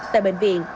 tại bệnh viện